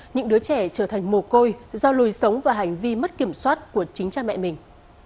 những đứa trẻ trở thành mồ côi do lùi sống và hành vi mất kiểm soát của chính cha mẹ mình